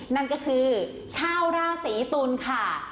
นั่นก็คือชาวราศีตุลค่ะ